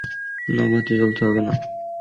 না, বাতি জ্বালাতে হবে না।